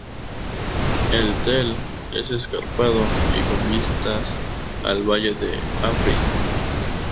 El tell es escarpado y con vistas al valle de Afrin.